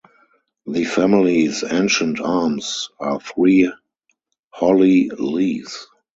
The family's ancient arms are three holly leaves.